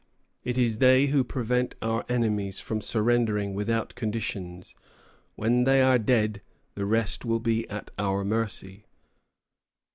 It is they who prevent our enemies from surrendering without conditions. When they are dead, the rest will be at our mercy."